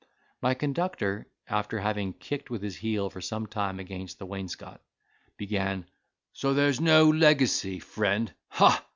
My conductor, after having kicked with his heel for some time against the wainscot, began: "So there's no legacy, friend, ha!